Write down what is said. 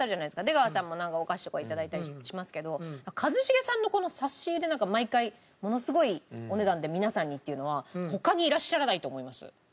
出川さんもなんかお菓子とかを頂いたりしますけど一茂さんのこの差し入れなんか毎回ものすごいお値段で皆さんにっていうのは他にいらっしゃらないと思います。